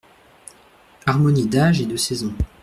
Harmonie d'âge et de saison.